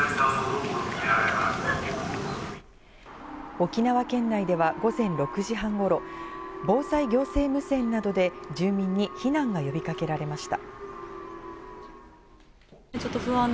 沖縄県内では午前６時半ごろ、防災行政無線などで住民に避難が呼び掛けられました。